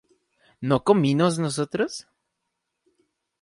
¿no cominos nosotros?